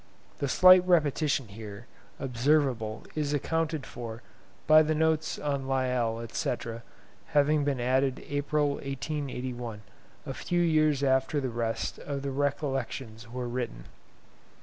(The slight repetition here observable is accounted for by the notes on Lyell, etc., having been added in April, 1881, a few years after the rest of the 'Recollections' were written.)